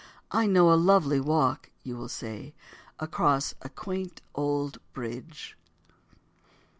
"I know a lovely walk," you will say, "across a quaint old bridge."